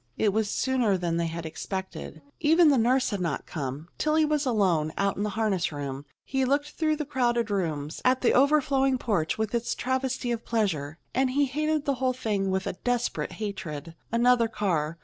It was sooner than they had expected. Even the nurse had not come. Tillie was alone, out in the harness room. He looked through the crowded rooms, at the overflowing porch with its travesty of pleasure, and he hated the whole thing with a desperate hatred. Another car.